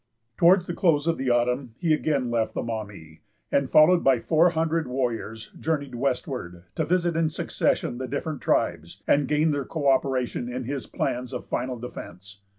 Towards the close of autumn, he again left the Maumee; and, followed by four hundred warriors, journeyed westward, to visit in succession the different tribes, and gain their co operation in his plans of final defence.